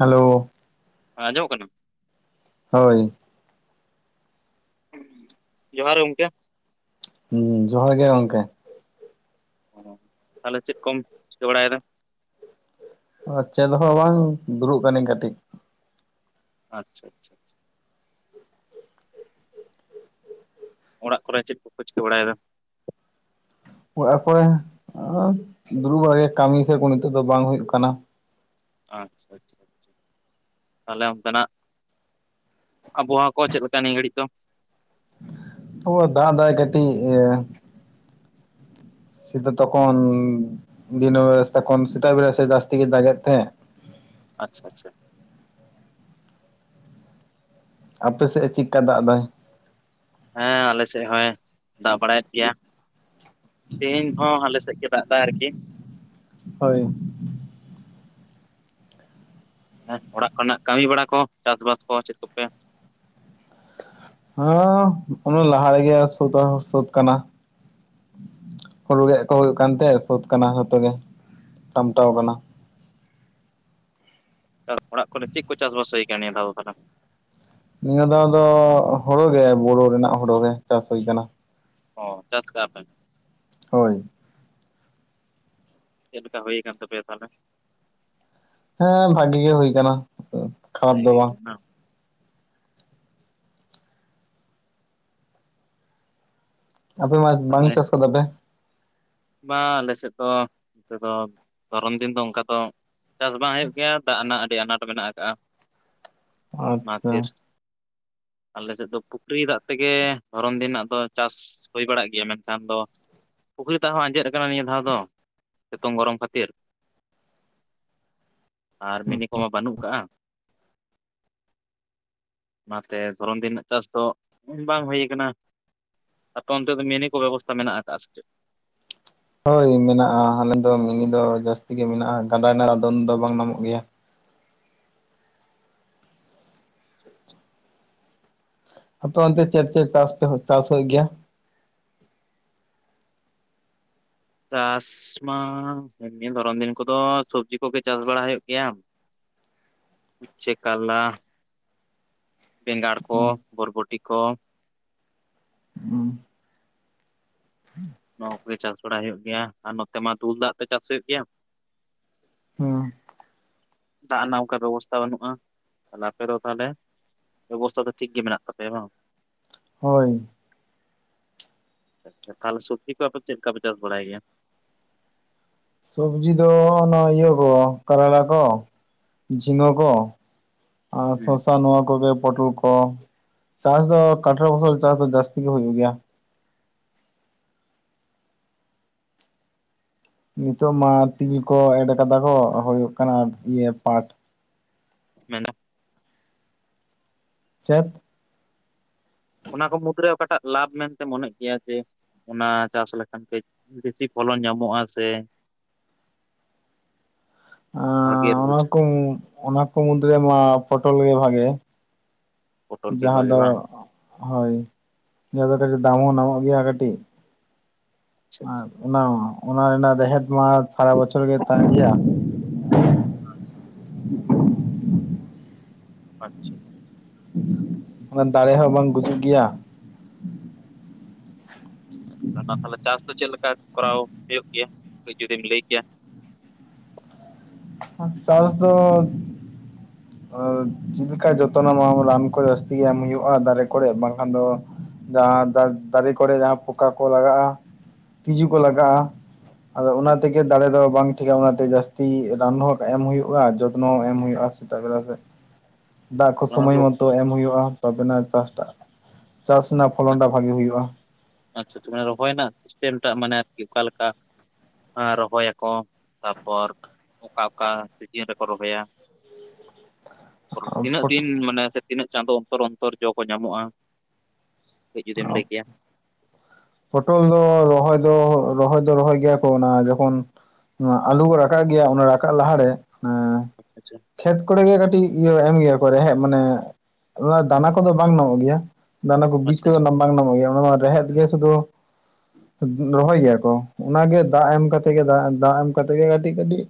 Hello ᱟᱸᱡᱚᱢᱚᱜ ᱠᱟᱱᱟ ᱦᱳᱭ ᱡᱚᱦᱟᱨ ᱜᱮ ᱜᱚᱝᱠᱮ ᱾ ᱦᱩᱸ ᱡᱚᱦᱟᱨ ᱜᱮ ᱜᱚᱝᱠᱮ᱾ ᱚ ᱛᱟᱦᱚᱞᱮ ᱪᱮᱫ ᱠᱚᱢ ᱪᱤᱠᱟᱹ ᱵᱟᱲᱟᱭᱮᱫᱟ? ᱟ ᱪᱮᱫᱦᱚᱸ ᱵᱟᱝ ᱫᱩᱲᱩᱵ ᱠᱟᱹᱱᱟᱹᱧ ᱠᱟᱹᱴᱤᱡ᱾ ᱟᱪᱪᱷᱟ ᱟᱪᱪᱷᱟ ᱚᱲᱟᱜ ᱠᱚᱨᱮ ᱪᱮᱫ ᱠᱚ ᱯᱮ ᱪᱮᱠᱟᱹ ᱵᱟᱲᱟᱭᱮᱫᱟ? ᱚᱲᱟᱜ ᱠᱚᱨᱮ ᱟᱨ ᱫᱩᱲᱩᱵ ᱵᱟᱲᱟᱜᱮ ᱠᱟᱹᱢᱤ ᱥᱮ ᱠᱚᱱᱚ ᱱᱤᱛᱚᱜ ᱫᱚ ᱵᱟᱝ ᱦᱩᱭᱩᱜ ᱠᱟᱱᱟ᱾ ᱟᱪᱪᱷᱟ ᱟᱪᱪᱷᱟ ᱟᱪᱪᱷᱟ ᱛᱟᱦᱚᱞᱮ ᱚᱱᱛᱮᱱᱟᱜ ᱟᱵᱚᱣᱟᱜ ᱠᱚ ᱪᱮᱫ ᱞᱮᱠᱟ ᱱᱤᱭᱟᱹ ᱜᱷᱟᱹᱲᱤᱡ ᱫᱚ? ᱫᱟᱜ ᱫᱟᱭ ᱠᱟᱹᱴᱤᱡ ᱥᱤᱫᱟᱹ ᱛᱚᱠᱷᱚᱱ ᱫᱤᱱᱚ ᱥᱮᱛᱟᱜ ᱠᱷᱚᱱ ᱥᱮᱛᱟᱜ ᱵᱮᱲᱟ ᱥᱮ ᱡᱟᱹᱥᱛᱤ ᱜᱮ ᱫᱟᱜᱮᱫ ᱛᱟᱦᱮᱸ᱾ ᱟᱪᱪᱷᱟ ᱟᱪᱪᱷᱟ ᱟᱯᱮᱥᱮᱫ ᱪᱮᱫᱠᱟ ᱫᱟᱜ ᱫᱟᱭ? ᱦᱮᱸ ᱟᱞᱮ ᱥᱮᱫ ᱦᱚᱸᱭ ᱫᱟᱜ ᱵᱟᱲᱟᱭᱮᱫ ᱜᱮᱭᱟ᱾ ᱛᱤᱦᱤᱧ ᱦᱚᱸ ᱟᱞᱮ ᱥᱮᱫ ᱜᱮ ᱫᱟᱜ ᱮᱫᱟᱭ ᱟᱨᱠᱤ᱾ [inaudible] ᱦᱳᱭ ᱦᱮ ᱚᱲᱟᱜ ᱠᱚᱨᱮᱱᱟᱜ ᱠᱟᱹᱢᱤ ᱵᱟᱲᱟ ᱠᱚ ᱪᱟᱥᱵᱟᱥ ᱠᱚ ᱪᱮᱫ ᱠᱚᱯᱮ ᱦᱟᱸ ᱚᱱᱟ ᱞᱟᱦᱟ ᱨᱮᱜᱮ ᱥᱩᱫ ᱫᱚ ᱥᱩᱫ ᱠᱟᱱᱟ᱾ ᱦᱩᱲᱩ ᱜᱮᱫ ᱠᱚ ᱦᱩᱭᱩᱜ ᱠᱟᱱ ᱛᱟᱦᱮᱜ ᱥᱟᱹᱫ ᱠᱟᱱᱟ ᱡᱷᱚᱛᱚ ᱜᱮ ᱥᱟᱢᱴᱟᱣ ᱟᱠᱟᱱᱟ᱾ ᱪᱟᱥ ᱚᱲᱟᱜ ᱠᱚᱨᱮ ᱪᱮᱫ ᱠᱚ ᱪᱟᱥᱵᱟᱥ ᱦᱩᱭ ᱟᱠᱟᱱᱟ ᱱᱤᱭᱟᱹ ᱫᱷᱟᱣ ᱫᱚ ᱛᱟᱦᱚᱞᱮ? ᱱᱤᱭᱟᱹ ᱫᱷᱟᱣ ᱫᱚ ᱦᱩᱲᱩ ᱜᱮ ᱵᱩᱨᱩ ᱨᱮᱱᱟᱜ ᱦᱩᱲᱩ ᱜᱮ ᱪᱟᱥ ᱦᱩᱭ ᱟᱠᱟᱱᱟ᱾ ᱚ ᱪᱟᱥ ᱠᱟᱜ-ᱟ ᱯᱮ᱾ ᱦᱳᱭ ᱪᱮᱫᱞᱮᱠᱟ ᱦᱩᱭ ᱟᱠᱟᱱ ᱛᱟᱯᱮᱭᱟ ᱛᱟᱦᱚᱞᱮ? ᱦᱮᱸ ᱵᱷᱟᱜᱤ ᱜᱮ ᱦᱩᱭ ᱟᱠᱟᱱᱟ᱾ ᱵᱷᱟᱜᱮ ᱜᱮ ᱦᱩᱭ [unintelligible] ᱟᱯᱮ ᱢᱟ ᱵᱟᱝ ᱪᱟᱥ ᱟᱠᱟᱫᱟ ᱯᱮ? ᱵᱟ ᱟᱞᱮ ᱥᱮᱫ ᱫᱚ ᱱᱤᱛᱚᱜ ᱫᱚ ᱫᱷᱚᱨᱚᱢ ᱫᱤᱱ ᱫᱚ ᱚᱱᱠᱟ ᱫᱚ ᱪᱟᱥ ᱵᱟᱝ ᱦᱩᱭᱩᱜ ᱜᱮᱭᱟ ᱫᱟᱜ ᱨᱮᱱᱟᱜ ᱟᱹᱰᱤ ᱟᱱᱟᱴ ᱢᱮᱱᱟᱜ ᱟᱠᱟᱟᱜ-ᱟ᱾ ᱟᱪᱪᱷᱟ ᱚᱱᱟᱛᱤᱨ [inaudible] ᱟᱞᱮ ᱥᱮᱫ ᱫᱚ ᱯᱩᱠᱷᱨᱤ ᱫᱟᱜ ᱛᱮᱜᱮ ᱜᱚᱨᱚᱱ ᱫᱤᱱᱟᱜ ᱫᱚ ᱪᱟᱥ ᱦᱩᱭ ᱵᱟᱲᱟᱜ ᱜᱮᱭᱟ ᱢᱮᱱᱠᱷᱟᱱ ᱫᱚ ᱥᱮᱛᱟᱜ ᱦᱚᱸ ᱟᱸᱡᱮᱫ ᱟᱠᱟᱱᱟ ᱱᱤᱭᱟᱹ ᱫᱷᱟᱣ ᱫᱚ ᱥᱤᱛᱩᱝ ᱜᱚᱨᱚᱢ ᱠᱷᱟᱹᱛᱤᱨ᱾ ᱟᱨ ᱢᱤᱱᱤ ᱠᱚᱢᱟ ᱵᱟᱹᱱᱩᱜ ᱟᱠᱟᱜ-ᱟ᱾ ᱚᱱᱟᱛᱮ ᱫᱷᱚᱨᱚᱱ ᱫᱤᱱ ᱨᱮᱱᱟᱜ ᱪᱟᱥ ᱫᱚ ᱵᱟᱝ ᱦᱩᱭ ᱟᱠᱟᱱᱟ᱾ ᱟᱯᱮ ᱚᱱᱛᱮ ᱫᱚ ᱢᱤᱱᱤ ᱠᱚ ᱵᱮᱵᱚᱥᱛᱟ ᱢᱮᱱᱟᱜ ᱟᱠᱟᱫᱼᱟ ᱥᱮ ᱪᱮᱫ? ᱦᱳᱭ ᱢᱮᱱᱟᱜ-ᱟ ᱟᱞᱮ ᱫᱚ ᱢᱤᱱᱤ ᱫᱚ ᱡᱟᱹᱥᱛᱤ ᱜᱮ ᱢᱮᱱᱟᱜ-ᱟ ᱜᱟᱰᱟ ᱨᱮᱱᱟᱜ ᱫᱚᱱ ᱫᱚ ᱵᱟᱝ ᱧᱟᱢᱚᱜ ᱜᱮᱭᱟ᱾ [unintelligible] ᱟᱯᱮ ᱚᱱᱛᱮ ᱪᱮᱫ ᱪᱮᱫ ᱪᱟᱥ ᱯᱮ ᱪᱟᱥ ᱦᱩᱭᱩᱜ ᱜᱮᱭᱟ? ᱪᱟᱥ ᱢᱟ ᱱᱤᱭᱟᱹ ᱫᱷᱚᱨᱚᱱ ᱫᱤᱱ ᱠᱚᱫᱚ ᱥᱚᱵᱽᱡᱤ ᱠᱚᱜᱮ ᱪᱟᱥ ᱵᱟᱲᱟ ᱦᱩᱭᱩᱜ ᱜᱮᱭᱟᱢ᱾ ᱦᱚᱪᱪᱷᱮ ᱠᱟᱨᱞᱟ᱾ ᱵᱮᱸᱜᱟᱲ ᱠᱚ ᱵᱷᱚᱨᱵᱚᱴᱤ ᱠᱚ᱾ ᱱᱚᱣᱟ ᱠᱚᱜᱮ ᱪᱟᱥ ᱵᱟᱲᱟ ᱦᱩᱭᱩᱜ ᱜᱮᱭᱟ ᱟᱨ ᱱᱚᱛᱮ ᱢᱟ ᱫᱩᱞ ᱫᱟᱜ ᱛᱮ ᱪᱟᱥ ᱦᱩᱭᱩᱜ ᱜᱮᱭᱟ᱾ ᱦᱩᱸ ᱫᱟᱜ ᱨᱮᱱᱟᱜ ᱚᱱᱠᱟ ᱵᱮᱵᱚᱥᱛᱷᱟ ᱵᱟᱹᱱᱩᱜ-ᱟ ᱟᱯᱮ ᱫᱚ ᱛᱟᱦᱚᱞᱮ ᱵᱮᱵᱚᱥᱛᱷᱟ ᱫᱚ ᱴᱷᱤᱠ ᱜᱮ ᱢᱮᱱᱟᱜ ᱛᱟᱯᱮᱭᱟ ᱵᱟᱝ? ᱦᱳᱭ ᱮᱠᱷᱟᱞ ᱥᱚᱵᱡᱤ ᱠᱚ ᱟᱯᱮ ᱫᱚ ᱪᱮᱫᱞᱮᱠᱟ ᱯᱮ ᱪᱟᱥ ᱵᱟᱲᱟᱭ ᱜᱮᱭᱟ? ᱥᱚᱵᱡᱤ ᱫᱚ ᱚᱱᱟ ᱤᱭᱟᱹ ᱠᱚ ᱠᱟᱨᱞᱟ ᱠᱚ᱾ ᱡᱷᱤᱸᱜᱟᱹ ᱠᱚ ᱟᱨ ᱦᱩᱸ ᱥᱚᱨᱥᱟ ᱱᱚᱣᱟ ᱠᱚᱜᱮ ᱯᱚᱴᱚᱞ ᱾ ᱛᱟ ᱪᱟᱥ ᱫᱚ ᱠᱟᱴᱚᱨ ᱯᱷᱚᱥᱚᱞ ᱪᱟᱥ ᱫᱚ ᱡᱟᱹᱥᱛᱤ ᱜᱮ ᱦᱩᱭᱩᱜ ᱜᱮᱭᱟ ᱱᱤᱛᱚᱜ ᱢᱟ ᱛᱤᱞ ᱠᱚ ᱮᱰ ᱠᱟᱫᱟ ᱦᱩᱭᱩᱜ ᱠᱟᱱᱟ ᱤᱭᱟᱹ ᱯᱟᱴ ᱢᱮᱱᱟᱜ ᱪᱮᱫ ᱚᱱᱟ ᱠᱚ ᱢᱩᱫᱽᱨᱮ ᱚᱠᱟᱴᱟᱜ ᱞᱟᱵᱷ ᱢᱮᱱᱛᱮ ᱢᱚᱱᱮᱜ ᱜᱮᱭᱟ ᱡᱮ? ᱚᱱᱟ ᱪᱟᱥ ᱞᱮᱠᱷᱟᱱ ᱠᱟᱹᱡ ᱵᱮᱥᱤ ᱯᱷᱚᱞᱚ ᱧᱟᱢᱚᱜᱼᱟ ᱥᱮ ᱵᱷᱟᱜᱮ ᱚᱱᱟ ᱨᱳᱡᱽ ᱠᱚ ᱚᱱᱟ ᱠᱚ ᱢᱩᱫᱽᱨᱮ ᱢᱟ ᱯᱚᱴᱚᱞ ᱜᱮ ᱵᱷᱟᱜᱮᱭᱟ ᱯᱚᱴᱚᱞ ᱜᱮ ᱡᱟᱦᱟᱸ ᱵᱷᱟᱜᱮ ᱫᱚ ᱵᱟᱝ ᱦᱳᱭ ᱡᱟᱦᱟᱸ ᱫᱚ ᱠᱟᱹᱴᱤᱡ ᱫᱟᱢ ᱦᱚᱸ ᱧᱟᱢᱚᱜ ᱜᱮᱭᱟ ᱠᱟᱹᱴᱤᱡ ᱟᱪᱪᱷᱟ ᱟᱨ ᱟᱪᱪᱷᱟ ᱚᱱᱟ ᱚᱱᱟ ᱨᱮᱱᱟᱜ ᱨᱮᱦᱮᱫ ᱢᱟ ᱥᱟᱨᱟ ᱵᱚᱪᱷᱚᱨ ᱜᱮ ᱛᱟᱦᱮᱱ ᱜᱮᱭᱟ ᱟᱪᱪᱷᱟ ᱚᱱᱟ ᱫᱟᱲᱮ ᱦᱚᱸ ᱵᱟᱝ ᱜᱩᱡᱩᱜ ᱜᱮᱭᱟ ᱚᱱᱟ ᱛᱟᱦᱚᱞᱮ ᱪᱟᱥ ᱫᱚ ᱪᱮᱫ ᱞᱮᱠᱟ ᱠᱚᱨᱟᱣ ᱦᱩᱭᱩᱜ ᱜᱮᱭᱟ? ᱡᱩᱫᱤᱢ ᱞᱟᱹᱭ ᱠᱮᱭᱟ ᱪᱟᱥ ᱫᱚ [unintelligible] ᱪᱮᱫ ᱞᱮᱠᱟ ᱡᱚᱛᱚᱱ ᱨᱟᱱ ᱠᱚ ᱡᱟᱹᱥᱛᱤ ᱮᱢ ᱦᱩᱭᱩᱜᱼᱟ ᱫᱟᱨᱮ ᱠᱚᱨᱮ ᱵᱟᱝᱠᱷᱟᱱ ᱫᱚ ᱡᱟᱦᱟᱸ ᱫᱟᱨᱮ ᱠᱚᱨᱮ ᱡᱟᱦᱟᱸ ᱯᱚᱠᱟ ᱠᱚ ᱞᱟᱜᱟᱜᱼᱟ ᱛᱤᱡᱩ ᱠᱚ ᱞᱟᱜᱟᱜᱼᱟ ᱟᱫᱚ ᱚᱱᱟ ᱦᱮᱸ ᱛᱮᱜᱮ ᱫᱟᱲᱮ ᱫᱚ ᱵᱟᱝ ᱴᱷᱤᱠᱟ ᱚᱱᱟᱛᱮ ᱡᱟᱹᱥᱛᱤ ᱨᱟᱱ ᱦᱚᱸ ᱮᱢ ᱦᱩᱭᱩᱜᱼᱟ ᱡᱚᱛᱱᱚ ᱮᱢ ᱦᱩᱭᱩᱜᱼᱟ ᱥᱮᱛᱟᱜ ᱵᱮᱞᱟ ᱥᱮ ᱫᱟᱜ ᱠᱚ ᱚᱱᱟ ᱥᱚᱢᱚᱭ ᱫᱚ ᱢᱚᱛᱚ ᱚ ᱛᱚ ᱮᱢ ᱦᱩᱭᱩᱜᱼᱟ ᱛᱟᱚᱵᱮᱱᱟ ᱪᱟᱥᱴᱟᱜ ᱪᱟᱥ ᱨᱮᱱᱟᱜ ᱯᱷᱚᱞᱚᱱ ᱴᱟᱜ ᱵᱷᱟᱜᱤ ᱦᱩᱭᱩᱜᱼᱟ᱾ ᱟᱪᱪᱷᱟ ᱨᱚᱦᱚᱭ ᱨᱮᱱᱟᱜ ᱥᱤᱥᱴᱮᱢ ᱴᱟᱜ ᱢᱟᱱᱮ ᱟᱨᱠᱤ ᱚᱠᱟᱞᱮᱠᱟ? ᱨᱚᱦᱚᱭᱟᱠᱚ ᱛᱟᱯᱚᱨ ᱚᱠᱟ ᱚᱠᱟ ᱥᱤᱡᱤᱱ ᱨᱮᱠᱚ ᱨᱚᱦᱚᱭᱟ? ᱛᱤᱱᱟᱹᱜ ᱫᱤᱱ ᱢᱟᱱᱮ ᱥᱮ ᱛᱤᱱᱟᱹᱜ ᱪᱟᱸᱫᱚ ᱚᱱᱛᱚᱨ ᱡᱚ ᱠᱚ ᱧᱟᱢᱚᱜᱼᱟ? ᱤᱡᱩᱫᱤᱢ ᱞᱟᱹᱭ ᱠᱮᱭᱟ ᱯᱚᱴᱚᱞ ᱫᱚ ᱨᱚᱦᱚᱭ ᱫᱚ ᱨᱚᱦᱚᱭ ᱫᱚ ᱨᱚᱦᱚᱭ ᱜᱮᱭᱟ ᱠᱚ ᱚᱱᱟ ᱡᱚᱠᱷᱚᱱ ᱚᱱᱟ ᱟᱞᱩ ᱠᱚ ᱨᱟᱠᱟᱵ ᱜᱮᱭᱟ ᱚᱱᱟ ᱨᱟᱠᱟᱵ ᱞᱟᱦᱟᱨᱮ ᱟ ᱟᱪᱪᱷᱟ ᱠᱷᱮᱛ ᱠᱚᱨᱮ ᱜᱮ ᱠᱟᱹᱴᱤᱡ ᱤᱭᱟᱹ ᱮᱢ ᱜᱮᱭᱟ ᱠᱚ ᱨᱮᱦᱮᱫ ᱢᱟᱱᱮ ᱫᱟᱱᱟ ᱠᱚᱫᱚ ᱵᱟᱝ ᱧᱟᱢᱚᱜ ᱜᱮᱭᱟ ᱫᱟᱱᱟ ᱠᱚ ᱵᱤᱡ ᱟᱪᱪᱷᱟ ᱠᱚᱫᱚ ᱵᱟᱝ ᱧᱟᱢᱚᱜ ᱜᱮᱭᱟ ᱚᱱᱟ ᱢᱟ ᱨᱮᱦᱮᱫ ᱜᱮ ᱥᱩᱫᱷᱩ ᱨᱚᱦᱚᱭ ᱜᱮᱭᱟ ᱠᱚ ᱚᱱᱟᱜᱮ ᱫᱟᱜ ᱮᱢ ᱠᱟᱛᱮ ᱜᱮ ᱫᱟᱜ ᱮᱢ ᱠᱟᱛᱮᱫ ᱜᱮ ᱠᱟᱹᱴᱤᱡ ᱠᱟᱹᱴᱤᱡ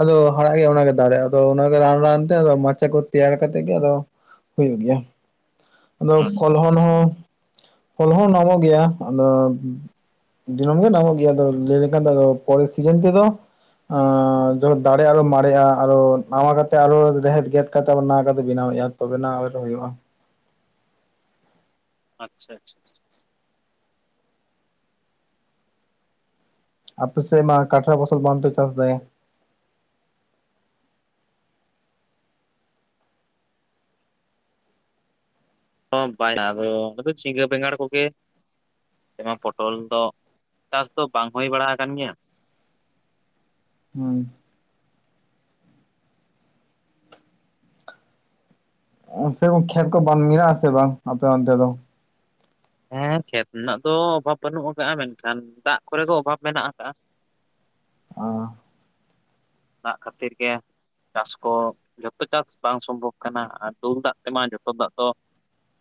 ᱟᱫᱚ ᱦᱟᱲᱟᱜᱮ ᱚᱱᱟᱜᱮ ᱫᱟᱲᱮᱜᱼᱟ ᱟᱫᱚ ᱚᱱᱟᱜᱮ ᱨᱟᱱ ᱨᱟᱱᱛᱮ ᱟᱫᱚ ᱢᱟᱪᱟ ᱠᱚ ᱛᱮᱭᱟᱨ ᱠᱟᱛᱮ ᱜᱮ ᱟᱫᱚ᱾ ᱦᱩᱭᱩᱜ ᱜᱮᱭᱟ ᱟᱫᱚ ᱯᱷᱚᱞ ᱦᱚᱸᱞ ᱦᱚᱸ ᱯᱷᱚᱞ ᱦᱚᱸ ᱧᱟᱢᱚᱜ ᱜᱮᱭᱟ᱾ ᱟᱫᱚ ᱫᱤᱱᱟᱹᱢ ᱜᱮ ᱧᱟᱢᱚᱜ ᱜᱮᱭᱟ ᱟ ᱞᱟᱹᱭ ᱞᱮᱠᱷᱟᱱ ᱯᱚᱨᱮᱨ ᱥᱤᱡᱮᱱ ᱛᱮᱫᱚ ᱡᱚᱠᱷᱚᱱ ᱫᱟᱲᱮ ᱟᱨᱚ ᱢᱟᱨᱮᱜᱼᱟ ᱟᱨᱚ ᱱᱟᱣᱟ ᱠᱟᱛᱮ ᱟᱨᱚ ᱨᱮᱦᱮᱫ ᱜᱮᱫ ᱠᱟᱛᱮᱜᱚ ᱱᱟᱣᱟ ᱠᱟᱛᱮ ᱵᱮᱱᱟᱣ ᱮᱼᱟ ᱛᱚᱵᱮᱱᱟ ᱦᱟᱭ ᱫᱚ ᱦᱩᱭᱩᱜᱼᱟ ᱟᱪᱪᱷᱟ ᱟᱪᱷᱟᱷᱟ ᱟᱯᱮ ᱥᱮ ᱢᱟ ᱠᱟᱴᱨᱟ ᱯᱷᱚᱥᱚᱞ ᱵᱟᱝᱯᱮ ᱪᱟᱥ ᱫᱟᱭ ᱚ ᱵᱟᱭ ᱟᱫᱚ ᱡᱷᱤᱸᱜᱟᱹ ᱵᱮᱜᱟᱟᱲ ᱠᱚᱠᱮ ᱯᱚᱴᱚᱞ ᱫᱚ ᱪᱟᱥ ᱫᱚ ᱵᱟᱝ ᱦᱩᱭ ᱵᱟᱲᱟ ᱟᱠᱟᱱ ᱜᱮᱭᱟ᱾ ᱦᱩᱸ ᱥᱮᱨᱚᱠᱚᱢ ᱠᱷᱮᱛ ᱠᱚ ᱵᱟᱝ ᱢᱮᱱᱟᱜᱼᱟ ᱟᱥᱮ ᱵᱟᱝ ᱟᱯᱮ ᱚᱱᱛᱮ ᱫᱚ? ᱦᱮᱸ ᱠᱷᱮᱛ ᱨᱮᱱᱟᱜ ᱫᱚ ᱚᱵᱷᱟᱵᱽ ᱵᱟᱹᱱᱩᱜ ᱟᱠᱟᱜ᱾ ᱢᱮᱱᱠᱷᱟᱱ ᱫᱟᱜ ᱠᱚᱨᱮ ᱫᱚ ᱚᱵᱷᱟᱵ ᱢᱮᱱᱟᱜ ᱟᱠᱟᱟᱜ? ᱚ ᱫᱟᱜᱽ ᱠᱷᱟᱹᱛᱤᱨ ᱜᱮ ᱪᱟᱥ ᱠᱚ ᱡᱷᱚᱛᱚ ᱪᱟᱥ ᱵᱟᱝ ᱥᱚᱢᱵᱷᱚᱵ ᱠᱟᱱᱟ ᱟᱨ ᱫᱩᱞ ᱫᱟᱜ ᱛᱮᱢᱟ ᱡᱚᱛᱚ ᱫᱟᱜ ᱫᱚ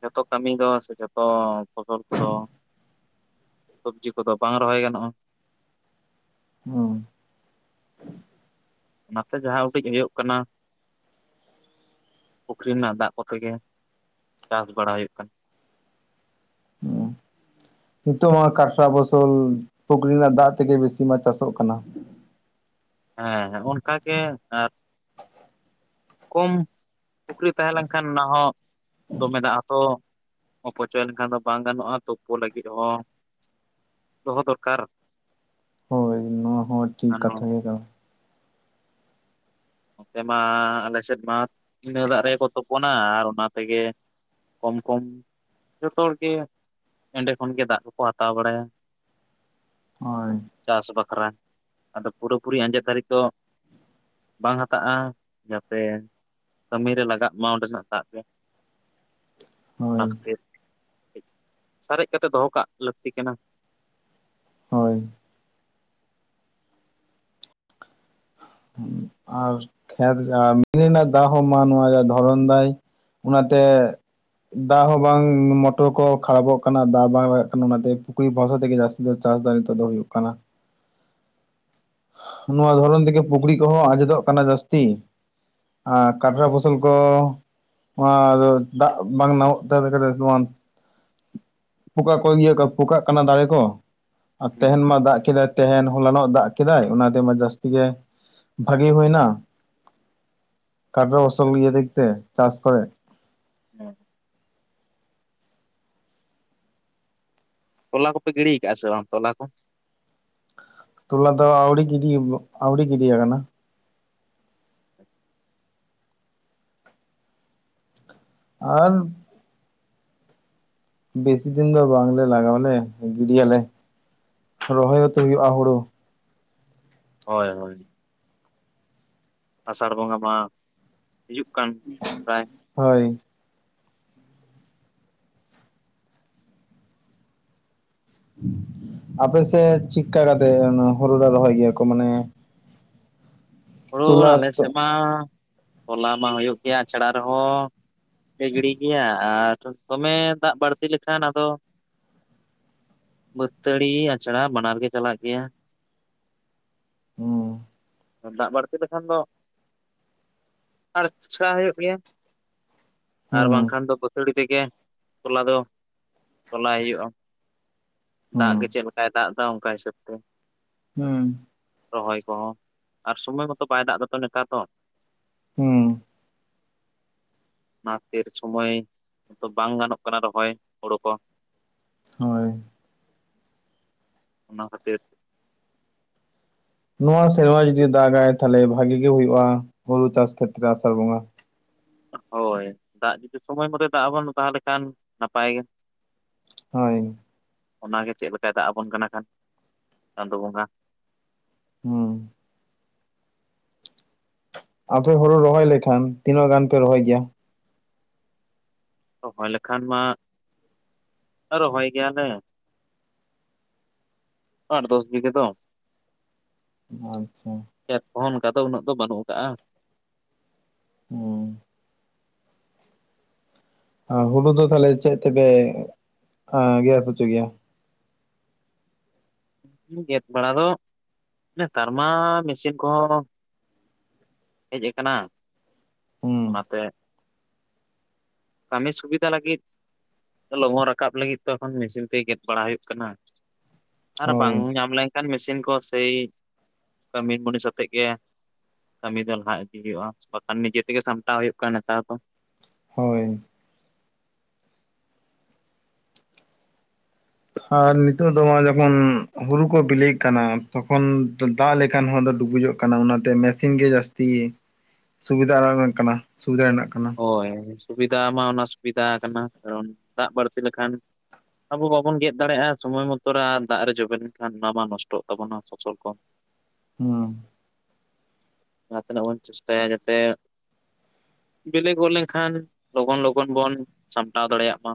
ᱡᱚᱛᱚ ᱠᱟᱹᱢᱤ ᱫᱚ ᱥᱮ ᱡᱚᱛᱚ ᱯᱷᱚᱥᱚᱞ ᱠᱚᱫᱚ ᱥᱚᱵᱽᱡᱤ ᱠᱚᱫᱚ ᱵᱟᱝ ᱨᱚᱦᱚᱭ ᱜᱟᱱᱚᱜᱼᱟ ᱦᱩ ᱚᱱᱟᱛᱮ ᱡᱟᱦᱟ ᱩᱰᱤᱡᱽ ᱦᱩᱭᱩᱜ ᱠᱟᱱᱟ ᱯᱩᱠᱷᱨᱤ ᱨᱮᱱᱟᱜ ᱫᱟᱜ ᱠᱚᱛᱮ ᱜᱮ ᱪᱟᱥ ᱵᱟᱲᱟ ᱦᱩᱭᱩᱜ ᱠᱟᱱᱟ᱾ ᱦᱩᱸ [unintelligible] ᱱᱤᱛᱚᱜ ᱢᱟ ᱠᱟᱴᱨᱟ ᱯᱷᱚᱥᱚᱞ ᱯᱩᱠᱷᱨᱤ ᱨᱮᱱᱟᱜ ᱫᱟᱜ ᱛᱮᱜᱮ ᱵᱮᱥᱤ ᱢᱟ ᱪᱟᱥᱚᱜ ᱠᱟᱱᱟ᱾ ᱦᱮᱸ ᱦᱮᱸ ᱚᱱᱠᱟ ᱜᱮ ᱟᱨ ᱠᱚᱢ ᱯᱩᱠᱷᱨᱤ ᱛᱟᱦᱮᱸ ᱞᱮᱱᱠᱷᱟᱱ ᱚᱱᱟ ᱦᱚᱸ ᱫᱚᱢᱮ ᱫᱟᱜ ᱟ ᱛᱚ᱾ ᱚᱯᱚᱪᱚᱭ ᱞᱮᱱᱠᱷᱟᱱ ᱫᱚ ᱵᱟᱝ ᱜᱟᱱᱚᱜᱼᱟ ᱛᱩᱯᱩ ᱞᱟᱹᱜᱤᱫ ᱦᱚᱸ ᱫᱚᱦᱚ ᱫᱚᱨᱠᱟᱨ ᱦᱚᱭ ᱱᱚᱶᱟ ᱦᱚᱸ ᱴᱷᱤᱠ ᱟᱨ ᱠᱟᱛᱷᱟ ᱜᱮ ᱠᱟᱱᱟ᱾ ᱱᱚᱱᱚᱛᱮ ᱢᱟ ᱟᱞᱮ ᱥᱮᱫ ᱢᱟ ᱤᱱᱟᱹ ᱫᱟᱜ ᱨᱮᱜᱮ ᱠᱚ ᱛᱚᱯᱚᱱ ᱱᱟ ᱟᱨ ᱚᱱᱟ ᱛᱮᱜᱮ ᱠᱚᱢ ᱠᱚᱢ ᱡᱚᱛᱚ ᱦᱚᱲ ᱜᱮ ᱮᱸᱰᱮ ᱠᱷᱚᱱ ᱜᱮ ᱫᱟᱜ ᱠᱚᱠᱚ ᱦᱟᱛᱟᱣ ᱵᱟᱲᱟᱭᱟ᱾ ᱦᱳᱭ ᱪᱟᱥ ᱵᱟᱠᱷᱨᱟ ᱟᱫᱚ ᱯᱩᱨᱟᱹᱯᱩᱨᱤ ᱟᱸᱡᱮᱫ ᱫᱷᱟᱹᱨᱤᱡ ᱫᱚ ᱵᱟᱝ ᱦᱟᱛᱟᱜᱼᱟ ᱡᱟᱛᱮ ᱠᱟᱹᱢᱤ ᱨᱮ ᱞᱟᱜᱟᱜ ᱢᱟ ᱚᱸᱰᱮ‌ ᱱᱟᱜ ᱫᱟᱜ ᱛᱮ ᱚᱱᱟ ᱦᱳᱭ ᱠᱷᱟᱹᱛᱤᱨ ᱥᱟᱨᱮᱡ ᱠᱟᱛᱮᱜ ᱫᱚᱦᱚ ᱠᱟᱜ ᱞᱟᱹᱠᱛᱤ ᱠᱟᱱᱟ᱾ ᱦᱳᱭ ᱟᱨ ᱠᱷᱮᱛ ᱡᱟ ᱢᱮᱱᱤ ᱨᱮᱱᱟᱜ ᱫᱟᱜ ᱦᱚᱸ ᱢᱟ ᱱᱚᱶᱟ ᱨᱮᱭᱟᱜ ᱫᱷᱚᱨᱚᱱ ᱫᱟᱭ ᱚᱱᱟᱛᱮ ᱫᱟᱜ ᱦᱚᱸ ᱵᱟᱝ ᱢᱚᱴᱚᱨ ᱠᱚ ᱠᱷᱟᱨᱟᱵᱚᱜ ᱠᱟᱱᱟ ᱫᱟᱜ ᱵᱟᱝ ᱞᱟᱜᱟᱜ ᱠᱟᱱᱟ ᱚᱱᱟᱛᱮ ᱯᱩᱠᱷᱨᱤ ᱵᱷᱚᱨᱥᱟ ᱛᱮᱜᱮ ᱡᱟᱹᱥᱛᱤ ᱡᱮ ᱪᱟᱥ ᱫᱚ ᱱᱤᱛᱚᱜ ᱫᱚ ᱦᱩᱭᱩᱜ ᱠᱟᱱᱟ᱾ [inaudible] ᱱᱚᱶᱟ ᱫᱷᱚᱨᱚᱱ ᱛᱮᱜᱮ ᱯᱩᱠᱷᱲᱤ ᱠᱚᱦᱚᱸ ᱟᱸᱡᱮᱫᱚᱜ ᱠᱟᱱᱟ ᱡᱟᱹᱥᱛᱤ᱾ ᱟᱨ ᱠᱟᱴᱨᱟ ᱯᱷᱚᱥᱚᱞ ᱠᱚ ᱚᱱᱟ ᱫᱚ ᱫᱟᱜ ᱵᱟᱝ ᱱᱟᱢᱚᱜ ᱛᱮ [unintelligible] ᱱᱚᱶᱟ ᱯᱚᱠᱟ ᱠᱚ ᱤᱭᱟᱹ ᱠᱚ ᱯᱚᱠᱟᱜ ᱠᱟᱱᱟ ᱫᱟᱨᱮ ᱠᱚ ᱟᱨ ᱦᱩᱸ ᱛᱟᱦᱮᱱ ᱢᱟ ᱫᱟᱜ ᱠᱮᱫᱟᱭ ᱛᱟᱦᱮᱱ ᱦᱚᱞᱟᱱᱚᱜ ᱫᱟᱜ ᱠᱮᱫᱟᱭ ᱚᱱᱟᱛᱮᱢᱟ ᱡᱟᱹᱥᱛᱤ ᱜᱮ ᱵᱷᱟ. ᱜᱤ ᱦᱩᱭᱮᱱᱟ ᱠᱟᱴᱮᱨᱚ ᱟᱪᱪᱷᱟ ᱯᱷᱚᱥᱚᱞ ᱟᱪᱪᱷᱟ ᱤᱭᱟᱹ ᱫᱤᱠ ᱛᱮ ᱪᱟᱥ ᱠᱚᱨᱮ ᱦᱮᱸ ᱛᱚᱞᱟ ᱠᱚᱯᱮ ᱜᱤᱲᱤ ᱭᱟᱠᱟᱜᱼᱟ ᱥᱮ ᱵᱟᱝ ᱛᱚᱞᱟ ᱠᱚ? ᱛᱚᱞᱟ ᱫᱚ ᱟᱹᱣᱲᱤ ᱜᱤᱹᱰᱤ ᱟᱹᱣᱲᱤ ᱜᱤᱹᱰᱤ ᱟᱠᱟᱱᱟ᱾ ᱟᱨ ᱵᱮᱥᱤ ᱫᱤᱱ ᱫᱚ ᱵᱟᱝᱞᱮ ᱞᱟᱜᱟᱣᱟᱞᱮ ᱜᱤᱹᱰᱤ ᱭᱟᱞᱮ ᱨᱚᱦᱚᱭ ᱦᱚᱸᱛᱚ ᱦᱩᱭᱩᱜᱼᱟ ᱦᱩᱲᱩ᱾ ᱦᱚᱭ ᱦᱚᱭ ᱟᱥᱟᱲ ᱵᱚᱸᱜᱟ ᱢᱟ ᱦᱤᱡᱩᱜ ᱠᱟᱱ ᱛᱟᱭ᱾ ᱦᱚᱭ ᱟᱯᱮ ᱥᱮᱫ ᱪᱤᱠᱟ ᱠᱟᱛᱮ ᱱᱚᱶᱟ ᱦᱩᱲᱩ ᱫᱚ ᱨᱚᱦᱚᱭ ᱜᱮᱭᱟ ᱠᱚ ᱢᱟᱱᱮ ᱦᱩᱲᱩ ᱛᱚᱞᱟ ᱟᱞᱮ ᱛᱚ ᱥᱮᱫ ᱢᱟ ᱦᱚᱞᱟ ᱢᱟ ᱦᱩᱭᱩᱜ ᱜᱮᱭᱟ ᱟᱪᱲᱟ ᱨᱮᱦᱚᱸ ᱞᱮ ᱜᱤᱲᱤ ᱜᱮᱭᱟ ᱟᱨ ᱫᱚᱢᱮ ᱫᱟᱜ ᱵᱟᱹᱲᱛᱤ ᱞᱮᱠᱷᱟᱱ ᱟᱫᱚ ᱵᱟᱹᱛᱟᱹᱲᱤ ᱟᱪᱲᱟ ᱵᱟᱱᱟᱨ ᱜᱮ ᱪᱟᱞᱟᱜ ᱜᱮᱭᱟ᱾ ᱚ ᱫᱟᱜ ᱵᱟᱹᱲᱛᱤ ᱞᱮᱠᱷᱟᱱ ᱫᱚ ᱟᱲᱪᱷᱟ ᱦᱩᱭᱩᱜ ᱜᱮᱭᱟ᱾ ᱟᱨ ᱵᱟᱝ ᱦᱩᱸ ᱠᱷᱟᱱ ᱫᱚ ᱵᱟᱹᱛᱟᱹᱲᱤ ᱛᱮᱜᱮ ᱛᱚᱞᱟ ᱫᱚ ᱛᱚᱞᱟᱭ ᱦᱩᱭᱩᱜᱼᱟ᱾ ᱦᱩᱸ ᱫᱟᱜ ᱜᱮ ᱪᱮᱫ ᱞᱮᱠᱟᱭ ᱫᱟᱜ ᱮᱫᱟ ᱚᱝᱠᱟ ᱦᱤᱥᱟᱹᱵ ᱛᱮ᱾ ᱦᱩᱸ ᱨᱚᱦᱚᱭ ᱠᱚᱦᱚᱸ ᱟᱨ ᱥᱚᱢᱚᱭ ᱢᱟᱛᱚ ᱵᱟᱭ ᱫᱟᱜ ᱮᱫᱟᱛᱚ ᱱᱮᱛᱟᱨ ᱫᱚ ᱦᱩᱸ ᱚᱱᱟ ᱠᱷᱟ. ᱛᱤᱨ ᱥᱚᱢᱚᱭ ᱫᱚ ᱵᱟᱝ ᱜᱟᱱᱚᱜ ᱠᱟᱱᱟ ᱨᱚᱦᱚᱭ ᱦᱩᱲᱩ ᱠᱚ᱾ ᱦᱚᱭ ᱚᱱᱟ ᱠᱷᱟᱹᱛᱤᱨ ᱱᱚᱶᱟ ᱥᱮᱨᱢᱟ ᱡᱩᱫᱤ ᱫᱟᱜ ᱜᱟᱭ ᱛᱷᱟᱞᱮ ᱵᱷᱟᱜᱤ ᱜᱮ ᱦᱩᱭᱩᱜᱼᱟ ᱦᱩᱲᱩ ᱪᱟᱥ ᱠᱷᱮᱛᱨᱮ ᱟᱥᱟᱲ ᱵᱚᱸᱜᱟ᱾ ᱦᱚᱭ ᱫᱟᱜ ᱡᱩᱫᱤ ᱥᱚᱢᱚᱭ ᱢᱚᱛᱚᱭ ᱫᱟᱜ ᱟᱵᱟᱱ ᱛᱟᱦᱞᱮ ᱠᱷᱟᱱ ᱱᱟᱯᱟᱭ ᱜᱮ ᱦᱚᱭ ᱚᱱᱟ ᱜᱮ ᱪᱮᱫ ᱞᱮᱠᱟᱭ ᱫᱟᱜ ᱟᱵᱚᱱ ᱠᱟᱱᱟ ᱠᱷᱟᱱ ᱪᱟᱸᱫᱚ ᱵᱚᱸᱜᱟ ᱦᱩᱸ ᱟᱫᱚ ᱦᱩᱲᱩ ᱨᱚᱦᱚᱭ ᱞᱮᱠᱷᱟᱱ ᱛᱤᱱᱟᱹᱜ ᱜᱟᱱ ᱯᱮ ᱨᱚᱦᱚᱭ ᱜᱮᱭᱟ? ᱨᱚᱦᱚᱭ ᱞᱮᱠᱷᱟᱱ ᱢᱟ ᱨᱚᱦᱚᱭ ᱜᱮᱭᱟᱞᱮ ᱟᱴ ᱫᱚᱥ ᱵᱤᱜᱷᱟᱹ ᱫᱚ ᱟᱪᱪᱷᱟ ᱠᱷᱮᱛ ᱠᱚᱦᱚᱸ ᱚᱱᱠᱟ ᱫᱚ ᱩᱱᱟᱹᱜ ᱫᱚ ᱵᱟᱹᱱᱩᱜ ᱠᱟᱜᱼᱟ ᱦᱩᱸ ᱦᱩᱲᱩ ᱫᱚ ᱛᱟᱦᱞᱮ ᱪᱮᱫ ᱛᱮᱯᱮ ᱜᱮᱛ ᱦᱚᱪᱚ ᱜᱮᱭᱟ ᱜᱮᱫ ᱵᱟᱲᱟ ᱫᱚ ᱱᱮᱛᱟᱨ ᱢᱟ ᱢᱮᱥᱤᱱ ᱠᱚᱦᱚᱸ ᱦᱮᱡ ᱠᱟᱱᱟ ᱦᱩᱸ ᱚᱱᱟᱛᱮ ᱠᱟᱹᱢᱤ ᱥᱩᱵᱤᱫᱷᱟ ᱞᱟᱹᱜᱤᱫ ᱞᱚᱜᱚᱱ ᱨᱟᱠᱟᱵ ᱞᱟᱹᱜᱤᱫ ᱫᱚ ᱮᱠᱷᱚᱱ ᱢᱮᱥᱤᱱ ᱛᱮᱜᱮ ᱜᱮᱫ ᱵᱟᱲᱟ ᱦᱩᱭᱩᱜ ᱠᱟᱱᱟ ᱟᱨ ᱵᱟᱝ ᱦᱳᱭ ᱧᱟᱢ ᱞᱮᱱᱠᱷᱟᱱ ᱢᱮᱥᱤᱱ ᱠᱚ ᱥᱮᱭ ᱠᱟᱹᱢᱤ ᱢᱩᱱᱤᱥ ᱟᱛᱮᱜ ᱜᱮ ᱠᱟᱹᱢᱤ ᱫᱚ ᱞᱟᱦᱟ ᱤᱫᱤ ᱦᱩᱭᱩᱜᱼᱟ ᱵᱟᱠᱷᱟᱱ ᱱᱤᱡᱮ ᱛᱮᱜᱮ ᱥᱟᱢᱴᱟᱣ ᱦᱩᱭᱩᱜ ᱠᱟᱱᱟ ᱱᱮᱛᱟᱨ ᱫᱚ ᱦᱳᱭ ᱟᱨ ᱱᱤᱛᱚᱜ ᱫᱚ ᱡᱚᱠᱷᱚᱱ ᱦᱩᱲᱩ ᱠᱚ ᱵᱤᱞᱤᱜ ᱠᱟᱱᱟ ᱛᱚᱠᱷᱚᱱ ᱫᱟᱜ ᱞᱮᱠᱟᱱ ᱦᱚᱸ ᱟᱫᱚ ᱰᱩᱵᱩᱡᱚᱜ ᱚᱱᱟᱛᱮ ᱢᱮᱥᱤᱱ ᱜᱮ ᱡᱟᱹᱥᱛᱤ ᱥᱩᱵᱤᱫᱷᱟ ᱠᱟᱱᱟ ᱥᱩᱵᱤᱫᱷᱟ ᱨᱮᱱᱟᱜ ᱠᱟᱱᱟ ᱦᱳᱭ ᱥᱩᱵᱤᱫᱟ ᱢᱟ ᱚᱱᱟ ᱥᱩᱵᱤᱫᱟ ᱠᱟᱱᱟ ᱠᱟᱨᱚᱱ ᱫᱟᱜ ᱵᱟᱹᱲᱛᱤ ᱞᱮᱠᱷᱟᱱ ᱟᱵᱚ ᱵᱟᱵᱚᱱ ᱜᱮᱫ ᱫᱟᱲᱮᱭᱟᱜᱼᱟ ᱥᱚᱢᱚᱭ ᱢᱚᱛᱚ ᱨᱮ ᱟᱨ ᱫᱟᱜ ᱨᱮ ᱡᱚᱵᱮ ᱞᱮᱱᱠᱷᱟᱱ ᱚᱱᱟ ᱢᱟ ᱱᱚᱥᱴᱚᱜ ᱛᱟᱵᱚᱱᱟ ᱯᱷᱚᱥᱚᱞ ᱠᱚ [inaudible] ᱦᱩᱸ ᱡᱟᱸᱦᱟ ᱛᱤᱱᱟᱹᱜ ᱵᱚᱱ ᱪᱮᱥᱴᱟᱭᱟ ᱡᱟᱛᱮ ᱵᱮᱞᱮ ᱜᱚᱫ ᱞᱮᱱᱠᱷᱟᱱ ᱞᱚᱜᱚᱱ ᱞᱚᱜᱚᱱ ᱵᱚᱱ ᱥᱟᱢᱴᱟᱣ ᱫᱟᱲᱮᱭᱟᱜ ᱢᱟ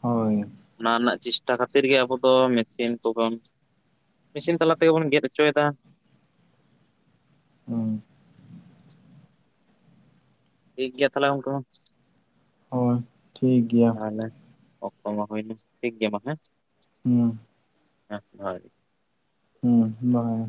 ᱦᱳᱭ ᱚᱱᱟ ᱨᱮᱱᱟᱜ ᱪᱮᱥᱴᱟ ᱠᱷᱟᱹᱛᱤᱨ ᱜᱮ ᱟᱵᱚ ᱫᱚ ᱢᱮᱥᱤᱱ ᱠᱚᱵᱚᱱ ᱢᱮᱥᱤᱱ ᱛᱟᱞᱟ ᱛᱮᱜᱮ ᱵᱚᱱ ᱜᱮᱫ ᱦᱚᱪᱚᱭᱮᱫᱟ ᱦᱳᱭ ᱴᱷᱤᱠ ᱜᱮᱭᱟ ᱛᱟᱦᱚᱞᱮ ᱜᱚᱢᱠᱮ ᱢᱟ ᱦᱳᱭ ᱴᱷᱤᱠ ᱜᱮᱭᱟ ᱛᱟᱦᱚᱞᱮ ᱚᱠᱛᱚ ᱢᱟ ᱦᱩᱭᱱᱟ ᱴᱷᱤᱠ ᱜᱮᱭᱟ ᱢᱟ ᱦᱮᱸ ᱦᱮᱸ ᱦᱮᱸ ᱦᱳᱭ ᱦᱩᱸ ᱵᱟᱭ